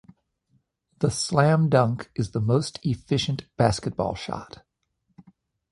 The slam dunk is the most efficient basketball shot.